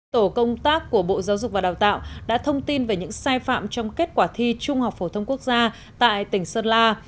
tổ công tác của bộ giáo dục và đào tạo đã thông tin về những sai phạm trong kết quả thi trung học phổ thông quốc gia tại tỉnh sơn la